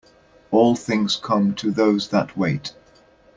All things come to those that wait.